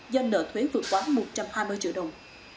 do nợ thuế vượt quá một trăm hai mươi triệu đồng